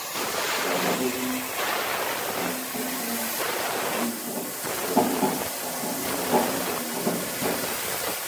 Häzir welin, böwürslenlerem edil bir ýere baglanan merjen däneleri ýaly.